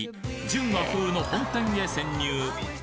純和風の本店へ潜入